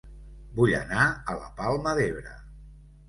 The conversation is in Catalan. Vull anar a La Palma d'Ebre